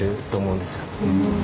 うん。